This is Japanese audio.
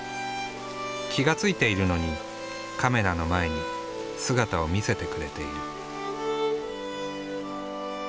気が付いているのにカメラの前に姿を見せてくれている。